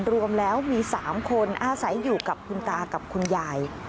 รวมแล้วมี๓คนอาศัยอยู่กับคุณตากับคุณยาย